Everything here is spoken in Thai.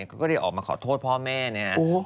ก็ได้ออกมาขอโทษพ่อแม่นะครับ